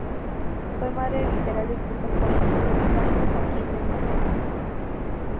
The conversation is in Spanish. Fue madre del literario y escritor político bilbaíno Joaquín de Mazas